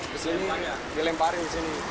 ke sini dilemparin ke sini